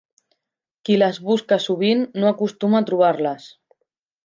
Qui les busca sovint no acostuma a trobar-les.